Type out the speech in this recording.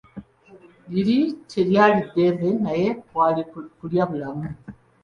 Liri teryali ddembe, naye kwali kulya bulamu!